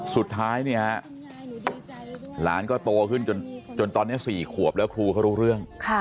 สุดท้ายเนี่ยฮะหลานก็โตขึ้นจนตอนนี้๔ขวบแล้วครูเขารู้เรื่อง